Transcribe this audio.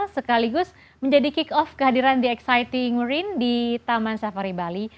sekaligus menjadi kick off kehadiran the exciting rain di taman safari bali